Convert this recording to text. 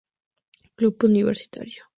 Club universitario.